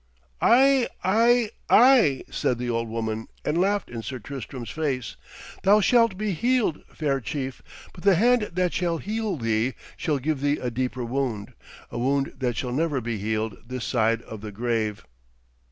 'Ay, ay, ay,' said the old woman, and laughed in Sir Tristram's face. 'Thou shalt be healed, fair chief, but the hand that shall heal thee shall give thee a deeper wound a wound that shall never be healed this side o' thy grave.'